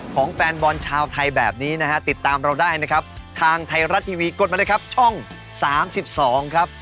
แฟนบอลชาวไทยแบบนี้นะฮะติดตามเราได้นะครับทางไทยรัฐทีวีกดมาเลยครับช่อง๓๒ครับ